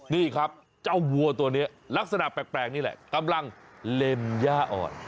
นี่ครับเจ้าวัวตัวนี้ลักษณะแปลกนี่แหละกำลังเล็มย่าอ่อน